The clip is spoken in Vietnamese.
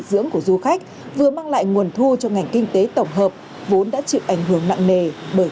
dưỡng của du khách vừa mang lại nguồn thu cho ngành kinh tế tổng hợp vốn đã chịu ảnh hưởng nặng nề bởi